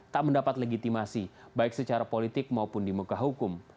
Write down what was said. tak mendapat legitimasi baik secara politik maupun di muka hukum